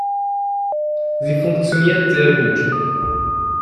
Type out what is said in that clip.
Sie funktioniert sehr gut.